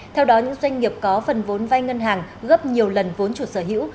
theo đó những doanh nghiệp có phần vốn vai ngân hàng gấp nhiều lần vốn chủ sở hữu